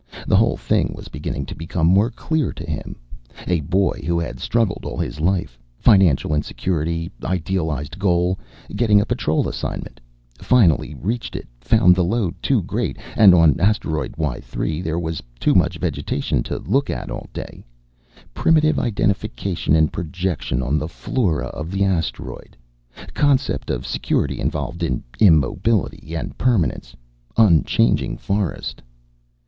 The whole thing was beginning to become more clear to him. A boy who had struggled all his life. Financial insecurity. Idealized goal, getting a Patrol assignment. Finally reached it, found the load too great. And on Asteroid Y 3 there was too much vegetation to look at all day. Primitive identification and projection on the flora of the asteroid. Concept of security involved in immobility and permanence. Unchanging forest.